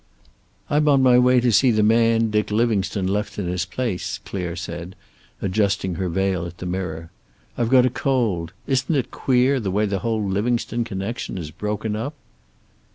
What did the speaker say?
"I'm on my way to see the man Dick Livingstone left in his place," Clare said, adjusting her veil at the mirror. "I've got a cold. Isn't it queer, the way the whole Livingstone connection is broken up?"